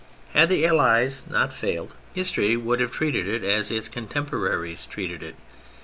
Had the Allies not failed, history would have treated it as its contemporaries treated it.